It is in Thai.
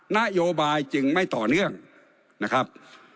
นโยบายจึงไม่ต่อเนื่องนะครับ